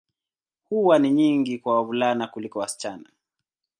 Huwa ni nyingi kwa wavulana kuliko wasichana.